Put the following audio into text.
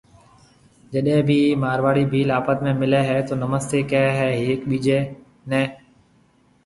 جڏيَ ڀِي مارواڙِي ڀيل آپت ۾ ملي هيَ تو نمستيَ ڪهيَ هيَ هيَڪ ٻِيجيَ۔